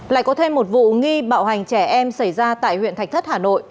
lại có thêm một vụ nghi bạo hành trẻ em xảy ra tại huyện thạch thất hà nội